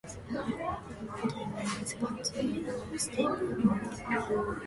Pitman came in second to winner Stephen Lewis.